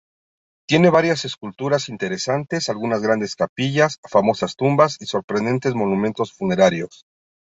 Tiene varias esculturas interesantes, algunas grandes capillas, famosas tumbas y sorprendentes monumentos funerarios.